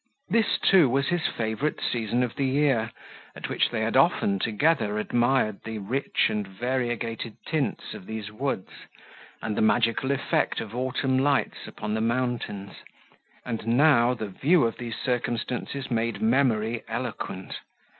This, too, was his favourite season of the year, at which they had often together admired the rich and variegated tints of these woods and the magical effect of autumnal lights upon the mountains; and now, the view of these circumstances made memory eloquent.